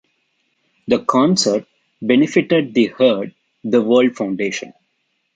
The concert benefited the Heard the World Foundation.